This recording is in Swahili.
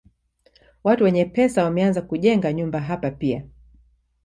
Watu wenye pesa wameanza kujenga nyumba hapa pia.